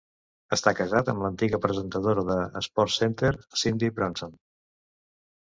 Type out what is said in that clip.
Està casat amb l'antiga presentadora de SportsCenter, Cindy Brunson.